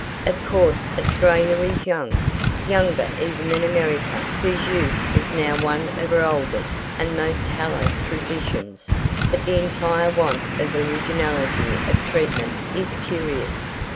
Of course Australia is young, younger even than America whose youth is now one of her oldest and most hallowed traditions, but the entire want of originality of treatment is curious.